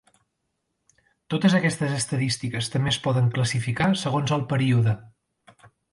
Totes aquestes estadístiques també es poden classificar segons el període.